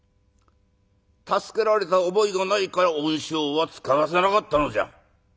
助けられた覚えがないから恩賞は遣わせなかったのじゃ。